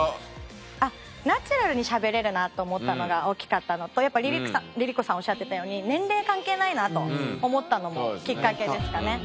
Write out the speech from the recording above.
あっナチュラルにしゃべれるなと思ったのが大きかったのとやっぱＬｉＬｉＣｏさんおっしゃってたように年齢関係ないなと思ったのもきっかけですかね。